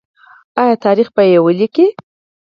آیا تاریخ به یې ولیکي؟